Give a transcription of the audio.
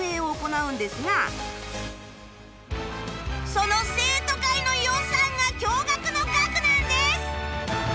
その生徒会の予算が驚愕の額なんです！